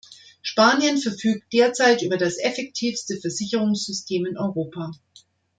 Spanien verfügt derzeit über das effektivste Versicherungssystem in Europa.